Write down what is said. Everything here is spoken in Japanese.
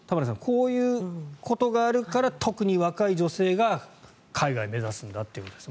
こういうことがあるから特に若い女性が海外目指すんだということです。